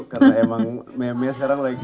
karena memang meme sekarang lagi